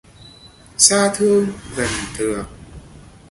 Xa thương, gần thường